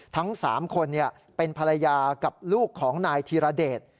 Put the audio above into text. ทั้ง๓คนเป็นภรรยากับลูกของนายธีรเดช